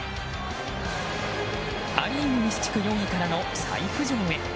ア・リーグ西地区４位からの再浮上へ。